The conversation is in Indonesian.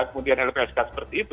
kemudian lpsk seperti itu